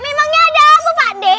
memangnya ada lagu pak d